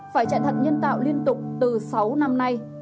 phải chạy thận nhân tạo liên tục từ sáu năm nay